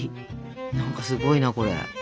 何かすごいなこれ。